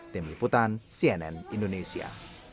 tim liputan cnn indonesia